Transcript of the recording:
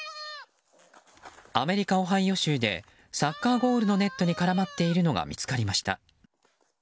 アメリカ・オハイオ州でサッカーゴールのネットに絡まっているのが見つかりました。